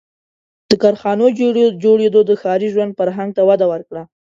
• د کارخانو جوړېدو د ښاري ژوند فرهنګ ته وده ورکړه.